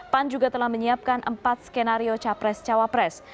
pan juga telah menyiapkan empat skenario capres cawapres